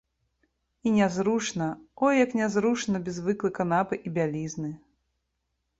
І нязручна, ой як нязручна без звыклай канапы і бялізны!